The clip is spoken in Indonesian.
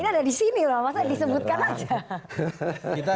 ini ada di sini loh masa disebutkan aja